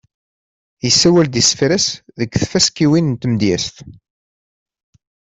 Yessawal-d isefra-s deg tfaskiwin n tmedyezt.